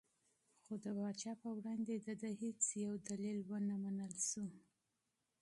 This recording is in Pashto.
خو د پاچا په وړاندې د ده هېڅ یو دلیل ونه منل شو.